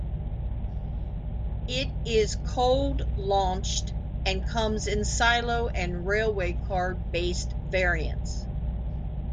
It is cold-launched, and comes in silo- and railway-car-based variants.